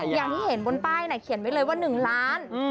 อย่างที่เห็นบนป้ายเขียนไว้เลยว่า๑ล้าน